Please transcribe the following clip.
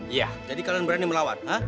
iya jadi kalian berani melawan